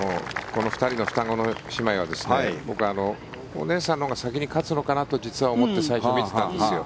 この２人の双子の姉妹は僕はお姉さんのほうが先に勝つのかなと実は思って最初見てたんですよ。